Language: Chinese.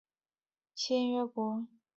所有东盟成员国随后成为签约国。